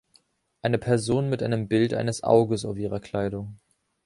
Eine Person mit einem Bild eines Auges auf ihrer Kleidung.